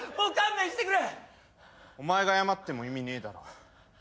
お前が謝っても意味ねえだろ。